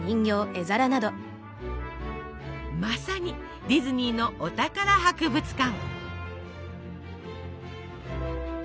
まさにディズニーのお宝博物館！